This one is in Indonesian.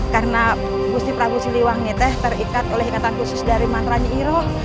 karena busti prabu siliwangiteh terikat oleh ingatan khusus dari mantra nyi iroh